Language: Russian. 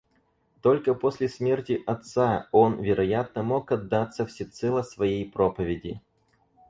Только после смерти отца он, вероятно, мог отдаться всецело своей проповеди.